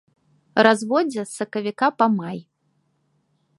Разводдзе з сакавіка па май.